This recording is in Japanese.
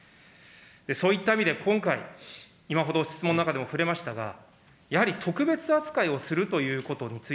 そういった意味で、今回、今ほど質問の中でも触れましたが、やはり特別扱いをするということにつ